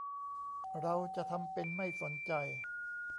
เราจะทำเป็นไม่สนใจ